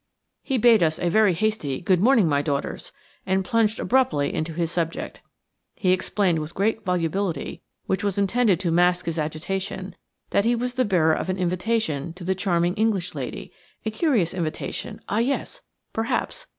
He bade us a very hasty "Good morning, my daughters!" and plunged abruptly into his subject. He explained with great volubility, which was intended to mask his agitation, that he was the bearer of an invitation to the charming English lady–a curious invitation, ah, yes! perhaps!